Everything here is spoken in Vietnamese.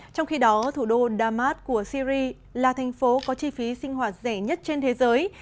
trong khi đó thủ đô damas của syri là thành phố có chi phí sinh hoạt rẻ nhất trên thế giới